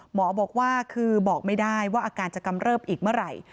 หมอบอกว่าคือบอกไม่ได้ว่าอาการจะกำเริบอีกเมื่อไหร่